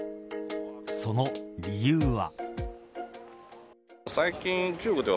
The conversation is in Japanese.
その理由は。